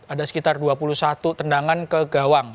ada sekitar dua puluh satu tendangan ke gawang